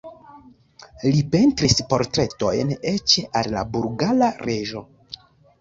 Li pentris portretojn eĉ al la bulgara reĝo.